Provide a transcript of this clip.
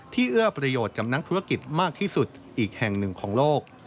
เอื้อประโยชน์กับนักธุรกิจมากที่สุดอีกแห่งหนึ่งของโลก